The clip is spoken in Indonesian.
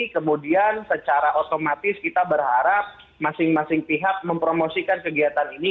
kemudian secara otomatis kita berharap masing masing pihak mempromosikan kegiatan ini